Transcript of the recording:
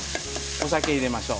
お酒入れましょう。